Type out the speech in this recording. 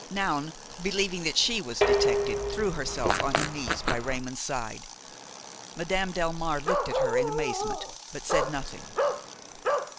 Noun, believing that she was detected, threw herself on her knees by Raymon's side. Madame Delmare looked at her in amazement, but said nothing.